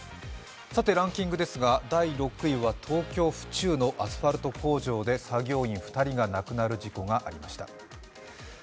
ランキングですが、第６位は東京・府中のアスファルト工場で作業員２人が亡くなる事故がありました。